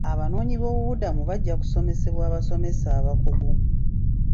Abanoonyiboobubudamu bajja kusomesebwa abasomesa abakugu.